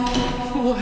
おい！